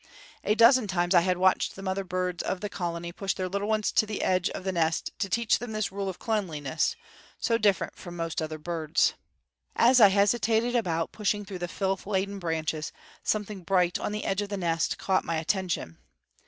A dozen times I had watched the mother birds of the colony push their little ones to the edge of the nest to teach them this rule of cleanliness, so different from most other birds. As I hesitated about pushing through the filth laden branches, something bright on the edge of the nest caught my attention.